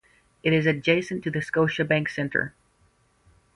It is adjacent to the Scotiabank Centre.